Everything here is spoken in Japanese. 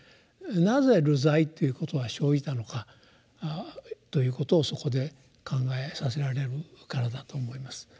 なぜ流罪ということが生じたのかということをそこで考えさせられるからだと思います。